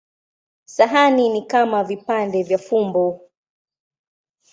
Sahani ni kama vipande vya fumbo.